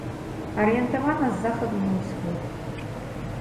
Арыентавана з захаду на ўсход.